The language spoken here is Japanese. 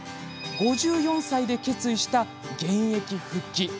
５４歳で決意した現役復帰。